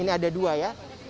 ini ada dua ya